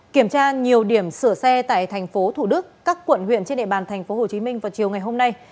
kiểm tra nhiều điểm sửa xe tại thành phố thủ đức các quận huyện trên địa bàn thành phố hồ chí minh vào chiều ngày hôm nay